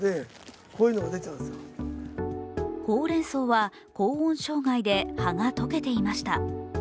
ほうれんそうは高温障害で葉が溶けていました。